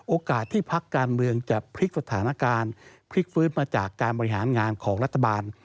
โอกาสที่พักการเมืองจะพลิกสถานการณ์พลิกฟื้นมาจากการบริหารงานของรัฐบาล